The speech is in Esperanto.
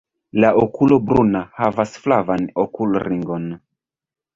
La okulo bruna havas flavan okulringon.